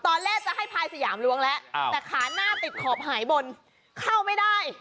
ตอนแรกจะให้พายสยามล้วงแล้วแต่ขาหน้าติดขอบหายบนเข้าไม่ได้